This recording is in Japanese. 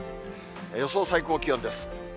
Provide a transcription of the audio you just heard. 予想最高気温です。